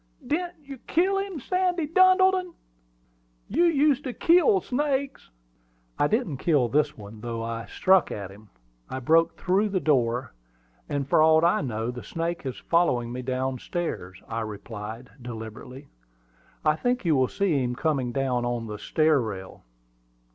"Didn't you kill him, Sandy Duddleton? You used to kill snakes." "I didn't kill this one, though I struck at him. I broke through the door, and, for aught I know, the snake is following me down stairs," I replied deliberately. "I think you will see him coming down on the stair rail."